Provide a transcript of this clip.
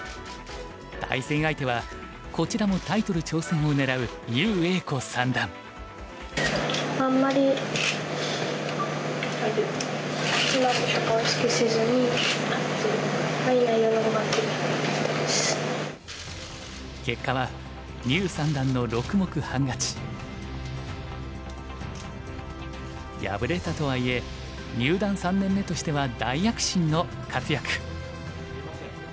対戦相手はこちらもタイトル挑戦を狙う結果は敗れたとはいえ入段３年目としては大躍進の活躍。